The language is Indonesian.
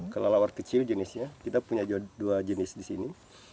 kelelawar kecil jenisnya kita punya dua jenis di sini